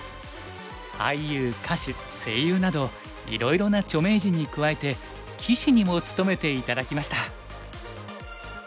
俳優歌手声優などいろいろな著名人に加えて棋士にも務めて頂きました。